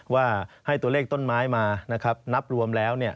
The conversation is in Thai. ว่าให้ตัวเลขต้นไม้มานะครับนับรวมแล้ว